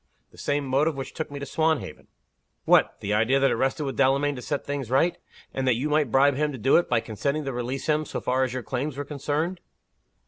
"The same motive which took me to Swanhaven." "What! the idea that it rested with Delamayn to set things right? and that you might bribe him to do it, by consenting to release him, so far as your claims were concerned?"